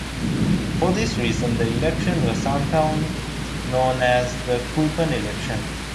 For this reason the election was sometimes known as the coupon election.